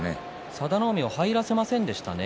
佐田の海を入らせませんでしたね。